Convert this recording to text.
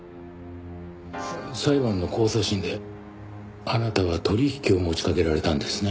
裁判の控訴審であなたは取引を持ちかけられたんですね？